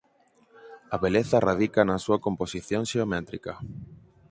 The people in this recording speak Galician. A beleza radica na súa composición xeométrica.